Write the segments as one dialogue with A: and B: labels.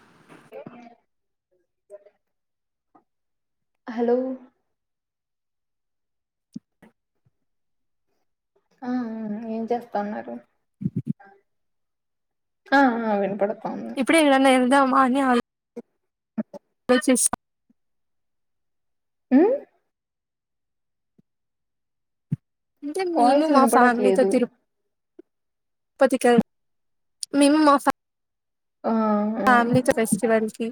A: [inaudible]
B: Hello
A: [inaudible]
B: ఆ ఆ ఏం చేస్తా ఉన్నారు ఆ ఆ వినపడ
A: ఇప్పుడే ఏమన్నా వెళ్దామా అని ఆ
B: అ [unintelligible]
A: లోచిస్తన్న
B: ఉమ్
A: అంటే మేము
B: వాయిస్
A: మా ఫ్యామిలీతో
B: వినపడట్లేదు
A: తిరు పతికి వెల్ మేము మా ఫ్యా
B: ఆ ఆ
A: ఫ్యామిలీ తో ఫెస్టివల్కి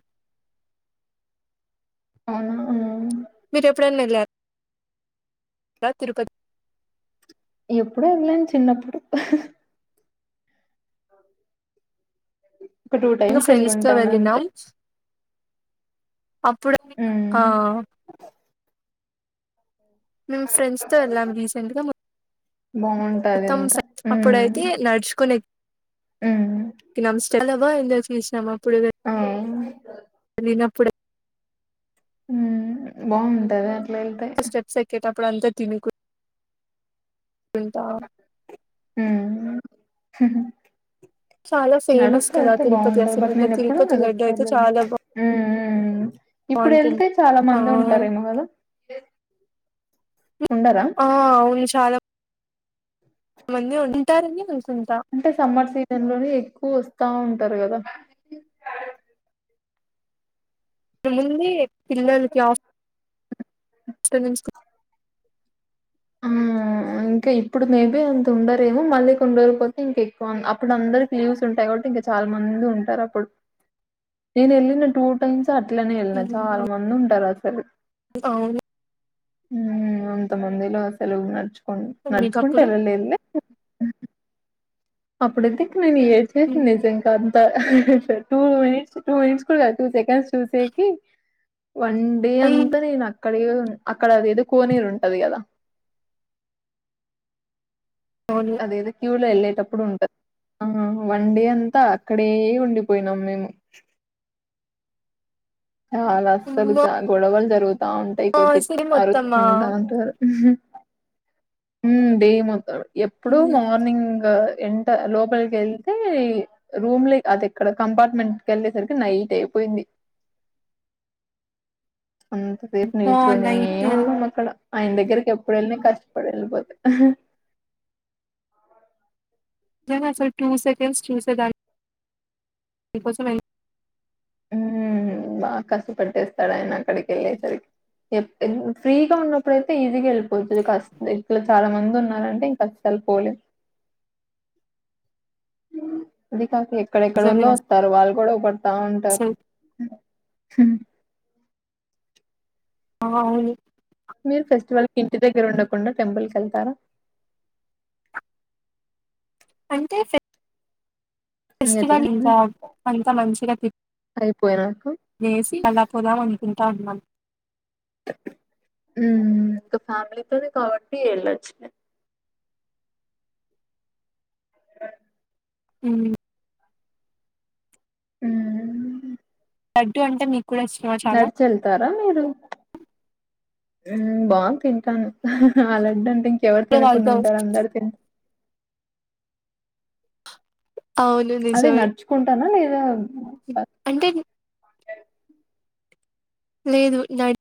B: అవునా
A: మీరు ఎప్పుడైనా వెళ్ళార తిరుపతి
B: ఎప్పుడో వెళ్ళాం చిన్నప్పుడు హహహ ఒక టూ టైమ్స్
A: ఫ్రెండ్స్ తో
B: వెళ్ళింటాను
A: వెళ్ళినాం
B: అంతే
A: అప్పుడు ఎవరితో
B: ఉమ్
A: ఆ మేం ఫ్రెండ్స్ తో వెళ్ళాం రీసెంట్ గా మొ
B: బాగుంటది
A: త్తం స
B: అంతా ఉమ్
A: అప్పుడైతే నడుచుకుని
B: ఉమ్
A: ఎక్కినాం స్టెప్స్ చాలా బాగా ఎంజాయ్ చేసినం అప్పుడు
B: ఆ
A: చిన్నప్పుడే
B: ఉమ్ బావుంటదా
A: ఆ స్టెప్స్ ఎక్కేటప్పుడు అంత తినుకు వెళ్తాం
B: హుహు
A: చాలా ఫేమస్
B: నడుస్తా
A: కదా
B: వెళ్తే
A: తిరుపతి
B: బావుంటది
A: అసలు
B: బట్
A: ఇంకా
B: నేను ఎప్పుడు
A: తిరుపతి లడ్డు
B: నడుస్తా
A: అయితే
B: వెళ్ళలే
A: చాలా
B: ఉ ఉమ్ ఉమ్ ఇప్పుడు
A: బాగుంటుంది
B: వెళ్తే చాలా
A: ఆ
B: మంది ఉంటారేమో కదా ఉండరా
A: ఆ చాలామంది ఉంటారనీ చూ
B: అంటే సమ్మర్ సీజన్ లోనే ఎక్కువ వస్తా ఉంటారు కదా
A: ఏముంది పిల్లలకి ఆఫ సో నుంచి
B: ఆ ఇంకా ఇప్పుడు మేబీ అంత ఉండరేమో మళ్ళీ కొన్నిరోజులుపోతే ఇంక ఎక్కువ అప్పుడు అందరికి లీవ్స్ ఉంటాయి కాబట్టి ఇంకా చాలా మంది ఉంటారు అప్పుడు నేను వెళ్ళిన టూ టైమ్స్ అట్లనే వెళ్ళినా చాలా మంది ఉంటారు అసలు
A: అవును
B: ఉమ్ అంత మందిలో అసలు నడుచు నడుచుకుంటూ
A: మీకప్పుడు
B: వెళ్లలేదు లే అప్పుడైతే ఇక నేను ఏడ్చేసిన నిజంగా అంత హా హా టూ మినిట్స్ టూ మినిట్స్ కూడా కాదు టూ సెకండ్స్ చూసేకి వన్ డే
A: అయి
B: అంత నే నాక్ అక్కడేదో అక్కడది ఏదో కోనేరు ఉంటది కదా
A: అవును
B: అదేదో క్యూలోఎల్లేది ఎప్పుడు ఉంటది ఆ వన్ డే అంతా అక్కడే ఉండిపోయినాం మేము ఆ అలా అస్సలు చాలా గొడవలు జరుగు తా ఉంటాయి
A: మా
B: కొద్ది
A: సిరి మొత్తమా
B: అరుచుకుంటా ఉంటారు ఉమ్ డే మొత్తం ఎప్పుడు మార్నింగ్ ఎంటర్ లోపలికెళ్తే రూంలే, అది ఎక్కడ కంపార్ట్మెంట్కి ఏళ్ళే సరికి నైట్ అయిపొ పెంది అంతసేపు
A: ఆ
B: నిల్చొనే
A: నైట్
B: ఉన్నామ్ అక్కడ ఆయన దగ్గరికి ఎప్పుడు ఏళ్ళినా కష్టపడి ఏళ్ళిపోతా
A: నేనసల్ టూ సెకండ్స్ చూసే దాన్ [inaudible] నీ కోసమే
B: హు నా కస్సు పెట్టేస్తాడు ఆయన అక్కడికి ఏళ్ళే సరిక్ ఎప్పుడ్ ఎన్ ఫ్రీగా ఉన్నప్పుడు అయితే ఈజీగా ఏళ్ళిపోవచ్చు. కస్ ఇట్లా చాలా మంది ఉన్నారంటే ఇంకా కష్ట తుపోలే
A: [inaudible]
B: అది కాక
A: నిజమే
B: ఎక్కడెక్కడోల్లో వస్తారు. వాళ్ళు గోడవ్ తా ఉంటారు
A: అసలు ఆ అవును
B: మీరు ఫెస్టివల్ కి ఇంటి దగ్గర ఉండకుండా టెంపుల్ కేళ్తారా.
A: అంటేె సే ఫెస్టివల్
B: ఎట్లండి?
A: ఇంకా అంత మంచిగా తిప్
B: అయిపోయినాక?
A: లేసి అలా పోదాం అనుకుంటా ఉన్నాం.
B: ఉహ్ ఇంకా ఫ్యామిలీతోనే కాబట్టి ఏళ్లొచ్చులే.
A: ఉహ్
B: ఉహుహ్
A: లడ్డు అంటే మీ
B: నడ్చెళ్తారా మీరు హుహ్ బావద్ తింటానం. ఆ లాడ్డంటే ఇంక్ ఎవరు తినకుండా
A: వాళ్ళతో
B: ఉంటారు. అందరు తిండ్
A: అవును
B: అదే
A: నిజమే
B: నడుచుకుంటానా లేదా
A: అంటే లేదు నాడ్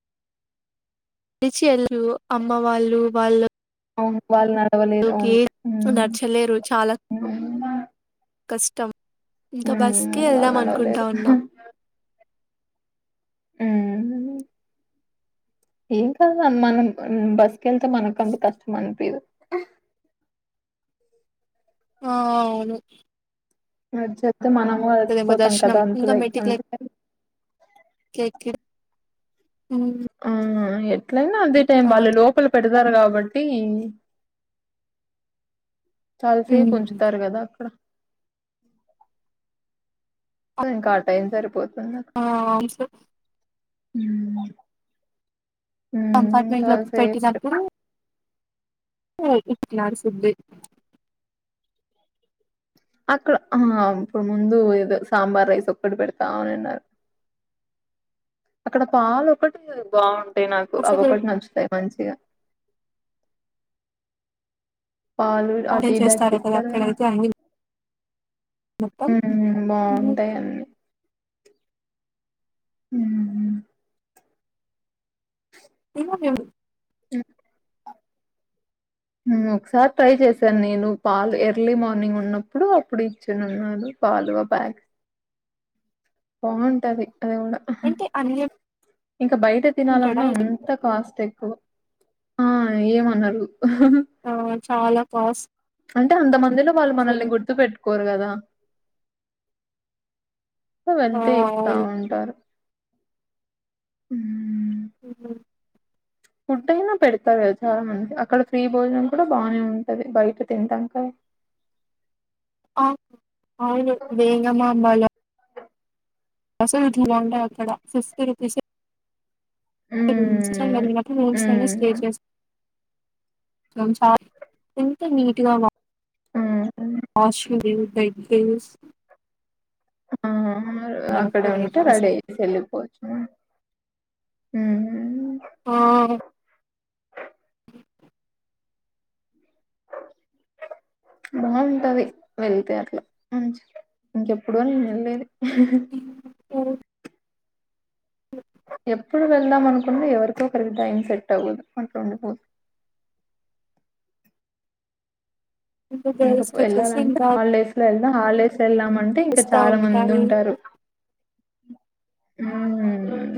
A: రీచి ఏళ్ళరు. అమ్మ వాళ్ళు వాళ్ళ
B: అవును వాళ్ళ నా
A: దోకే నడచలేరు చాలా కష్టం. ఇంకా
B: మ్మ్
A: బస్కే
B: వాళ్ళు
A: ఏళ్దాం, అనుకుంటా
B: నడవలేరు
A: ఉన్నాం.
B: మ్మ్
A: [inaudible]
B: ఏం కాదు, మనం బస్కెళ్తే మనకు అంత కష్టం అన్పియదు.
A: ఆ అవును
B: నడ్చెళ్తే మనము
A: అదేమో
B: అలిసిపోతాం కదా అంతేదై అంతేద్
A: కేకిడ్
B: ఆ ఎట్లైనా అదే టైం, వాళ్ళు
A: అవును
B: లోపల పెడు తారు గాబట్టి చాలసేపు ఉంచుతారు గదా అక్కడ సో ఇంకా ఆ టైం సరిపోద్
A: ఆ ఆమ్ సో
B: హుమ్డ్ హుమ్
A: కంపార్ట్మెంట్
B: చాలా
A: లోకి
B: సేఫ్ట్
A: ఊ ఇట్లాండ్ సిందే
B: అక్కడ ఆ ఇప్పుడు ముందు ఏదో సాంబార్ రైస్ ఒక్కటి పెడతా వునినారు. అక్కడ పాలు ఒకటి బావుంటాయి. నాకు
A: అసలు
B: అవొకటి నచ్చుతాయి మంచిగా పాలు ఆ టీ
A: ఆర్డర్
B: బ్యాగ్స్
A: చేస్తారు కదా
B: ఇస్తారు గదా
A: అక్కడైతే అన్ని మొత్తం
B: హుహు్ బావుంటాయాన్ని. ఉహూహ్
A: ఏమో నండి
B: ఉమ్ ఊమ్ ఒకసారి ట్రై జేసాను నేను పాలు ఎర్లీ మార్నింగ్ ఉన్నప్పుడు అప్పుడు ఇచ్చను ఉన్ పాలువ ప్యాక్ బాగుంటది
A: అంటే అన్యం
B: ఇంకా బయట తినాలన్నా అంత కాస్ట్ ఎక్కువ ఆ ఏమనరు
A: ఆ చాలా కాస్
B: అంటే అంతమందిలో వాళ్ళు మనల్ని గుర్తు పెట్టుకోరు గదా అ
A: ఆ
B: వెళ్తే ఇస్తా
A: అవును
B: ఉంటారు ఊమ్
A: ఊహ్మ్
B: ఫుడ్ అయినా పెడతారు కదా చాలా మంది అక్కడ ఫ్రీ భోజనం కూడా బాగానే ఉంటది బయట తింటాకాని
A: [inaudible] అవును వేగమాంబాల అస రుచి బాగుంటయ్ అక్కడ ఫిఫ్టీ రుపీసే రూమ్స్
B: హ్మ్
A: మ రూమ్స్ ఐనా స్టే
B: హ్మ్
A: చేస్ చాలా ఎంత నీట్గా
B: ఆ
A: విక్టీమ్స్
B: ఆ అక్కడ ఉంటే
A: అయితే అసలు
B: వడేసి ఎళ్ళిపోవచ్చు మనం ఊమ్
A: ఆ [inaudible]
B: బాగుంటది వెళ్తే అట్లా మంచి ఇంకెప్పుడో నేను ఎల్లలేది ఆహా హ
A: ఓ
B: ఎప్పుడు వెళ్దాం అనుకుంటే ఎవరిక ఒకరికి టైం సెట్ అవ్వదు అట్లాండిపోదు
A: ఇంకా
B: ఇంక
A: గర్ల్స్ కి వచ్చేసి
B: వెళ్ళాలంటే
A: ఇంకా
B: హాలిడేస్ లో ఎ హాలిడేస్ వెళ్ళామ అంటే ఇంకా
A: వస్తా
B: చాలా మంది
A: ఉంటాయి
B: ఉంటారు ఊమ్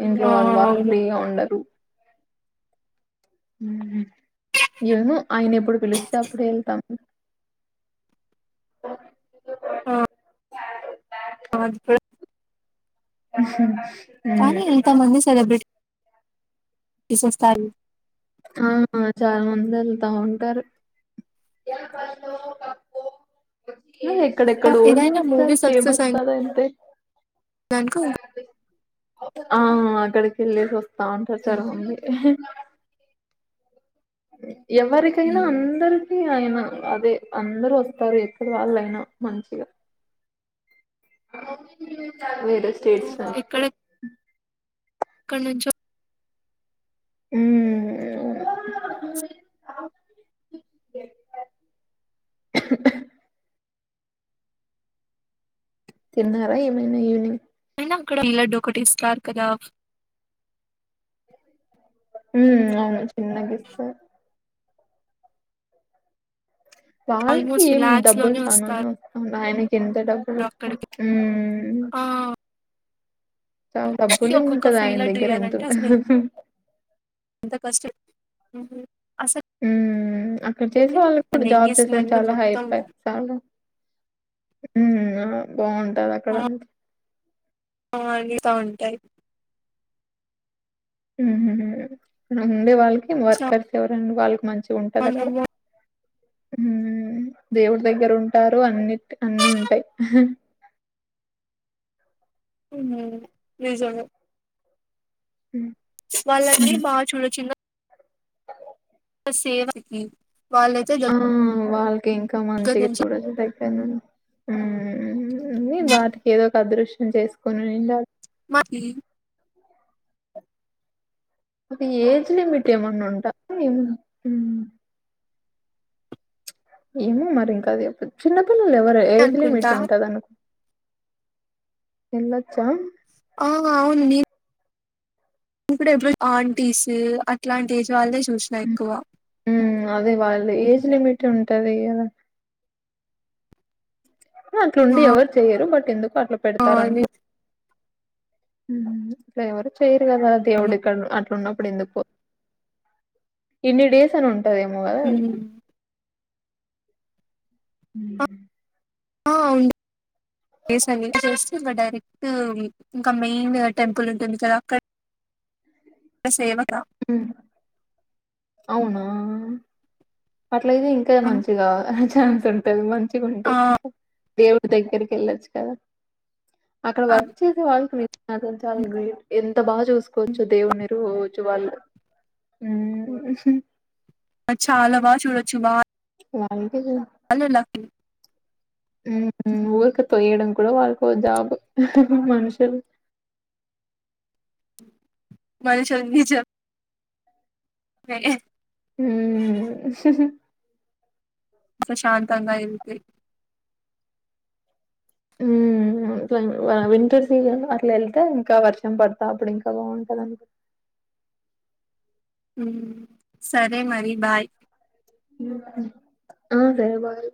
B: ఇంట్లో
A: ఆ
B: వాళ్ళు వాళ్
A: అవును
B: ఫ్రీగా ఉండరు ఊమ్ ఏవను ఆయన ఎప్పుడు పిలిస్తే అప్పుడు ఎళ్తాం ఓ
A: ఆ ఆది పె
B: అహ
A: కానీ ఎంత మంది సెలబ్రిటీ టిస్ వస్తారు
B: ఆ చాలా మంది వెళ్తా ఉంటారు [inaudible] ఏ ఎక్కడెక్కడ ఓన్
A: ఏదైనా
B: వస్తారు ఫేమస్ కదా అంతే
A: బ్యాంకాక్
B: ఆ అక్కడికి వెళ్ళేసి వస్తా ఉంటారు చాలమంది ఎవ్వరికైనా అందరికి అయన అదే అందరు వస్తారు ఎక్కడ వాళ్ళు అయినా మంచిగా వేరే స్టేట్స్ నుంచి కూడా
A: ఎక్కాణించ
B: ఉమ్
A: అ
B: తిన్నారా ఏమైనా ఈవినింగ్
A: ఎన్నక్కడ లడ్డు ఒకటి స్టార్ కదా
B: ఉ అవును చిన్నగీస్తే వాళ్కి
A: ఆల్మోస్ట్
B: ఏం
A: లాక్స్
B: డబ్బులు
A: లోనే
B: చాననే
A: వస్తారు
B: ఉన్నాయని ఎంత డబ్బులు
A: అక్కడికి
B: ఉ
A: ఆ
B: చాల్ డబ్బులే
A: ఒక్కొక్క
B: ఉంటది ఆయన
A: ఫీల్ అవుట్
B: దగ్గర ఎంతు
A: చేయాలంటే ఫస్టు అస
B: ఉ అక్కడ చేసే వాళ్ళు కూడ జాబ్ చేసేవాళు
A: స్మెల్
B: చాలా హై
A: మొత్తం
B: పే సాల్ ఉ ఆ బాగుంటది అక్కడ
A: అ అని బాగుంటయి
B: ఉ ఉండే వాళ్కి
A: చాలా
B: వర్కర్స్ ఎవరన్ వాళ్కి మంచి ఉంటది అక్కడ హు దేవుడి దగ్గర ఉంటారు అన్నిట్ అన్నుంటయి
A: ఉహు నిజమే వాళ్ళనీ బా చూడొచ్చు ఇంగ సేవకి వాళ్ళయితే జడ్
B: కే ఇంక మంచిగ చూడచ్ [unintelligible] ఉ అని వాటికి ఏదో ఒక అదృష్ ఉ చేసుకొనిన్ ఉండ
A: మా ఇ
B: అది ఏజ్ లిమిట్ ఏమన్నా ఉంట ఉ ఏమో మరి ఇంక అది, చిన్నపిల్లలు ఎవరే ఏజ్ లిమిట్
A: అనుకుంటా
B: ఉంటది అను ఎల్లోచ
A: ఆ అవున్ నీ ఇప్పుడ ఎపు ఆంటీస్ అట్లాంటి ఏజ్ వాళ్ళే చూసిన ఎక్కువ
B: ఉ అదే వాళ్ళే ఏజ్ లిమిట్ ఉంటది కదా ఆ అట్లుండి ఎవరు చెయ్యరు, బట్ ఎందుకో అట్లా
A: ఆ
B: పెడతారు అన్కో హు అట్ల ఎవరు చేయరు కదా, దేవుడు
A: నిజమే
B: ఎక్కడ్నో అట్ల ఉన్నప్పుడు ఎందుకు ఇన్ని డేస్ అని ఉంటదేమో కదా అది హు
A: ఆ చేసా నీది చేసి ఇంగ డైరెక్ టు ఇంక మెయిన్ టెంపుల్ ఉంటుంది కదా అక అ సేవ
B: హు అవునా అట్లాయితే ఇంకా మంచిగా హ ఛాన్స్ ఉంటది మంచిగుంటే
A: ఆ
B: క దేవుడు దగ్గరికి వెళ్ళచ్చు కదా అక్కడ వర్క్ చేసే వాళ్ళకి అసలు చాలా గ్రేట్ ఎంత బా చూసుకోవచ్చు దేవుని రో జు వాళ్ళు
A: అ చాలా బా చూడొచ్చు బా
B: వాళ్ళకే
A: వాళ్ళు లక్కీ
B: ఉ ఊరికే తొయ్యడం కూడా వాళ్ళకు జాబ్ మనుషుల్
A: మనుషుల్ నిజ మే ఏ
B: ఊ
A: ప్రశాంతంగా ఎళ్తే
B: ఉ ఆ వింటర్ సీజన్ అట్ల వెళ్తే ఇంక వర్షం పడతా అప్పుడు ఇంకా బాంటది.
A: అ హు సరే మరి బాయ్
B: ఆ సరే బాయ్